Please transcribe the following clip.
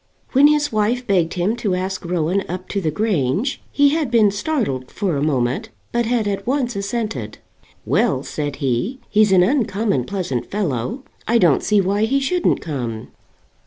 When his wife begged him to ask Rowan up to the Grange, he had been startled for a moment, but had at once assented. "Well," said he; "he's an uncommon pleasant fellow. I don't see why he shouldn't come."